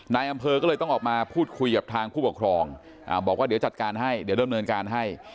นายอำเภอก็เลยต้องออกมาพูดคุยกับทางผู้ปกครองบอกว่าเดี๋ยวจัดการให้เดี๋ยวเริ่มเนินการให้